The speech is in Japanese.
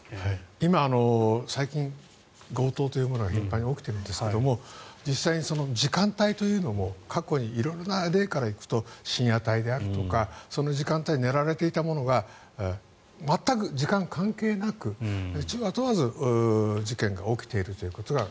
今、最近強盗というものが頻繁に起きているんですが実際に時間帯というのも過去の色んな例から行くと深夜帯であるとかその時間帯に狙われていたものが全く時間関係なく昼夜問わず事件が起きているということが。